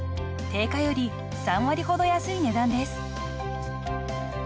［定価より３割ほど安い値段です］